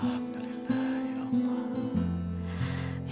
alhamdulillah ya allah